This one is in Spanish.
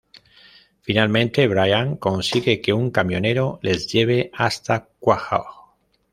Finalmente, Brian consigue que un camionero les lleve hasta Quahog.